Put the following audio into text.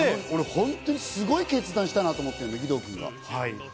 これ本当にすごい決断したと思って、義堂君が。